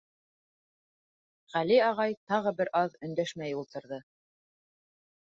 Ғәли ағай тағы бер аҙ өндәшмәй ултырҙы.